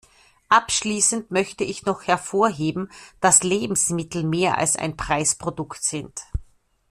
Abschließend möchte ich noch hervorheben, dass Lebensmittel mehr als ein Preisprodukt sind.